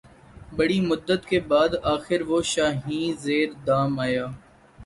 بڑی مدت کے بعد آخر وہ شاہیں زیر دام آیا